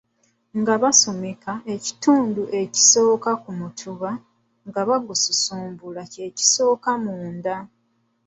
Nga basumika, ekitundu ekisooka ku mutuba nga lusuubulwa kye kisooka munda.